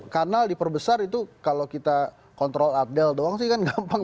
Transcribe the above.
karena diperbesar itu kalau kita kontrol abdel doang sih kan gampang